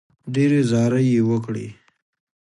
ډېرې زارۍ یې وکړې.